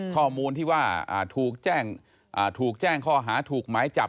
ข้อมูลที่ว่าถูกแจ้งข้อหาถูกหมายจับ